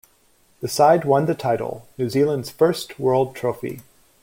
The side won the title, New Zealand's first world trophy.